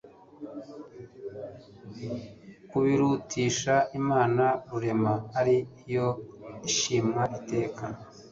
kubirutisha Imana Rurema ari yo ishimwa iteka